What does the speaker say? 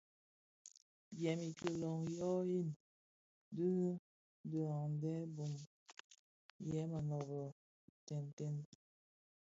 Dièm i kilōň yo yin di dhisaňdèn bum yè mënōbō ntètèbèn.